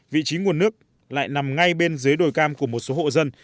vị trí nguồn nước lại nằm ngay bên dưới đồi cam của một số hộ dân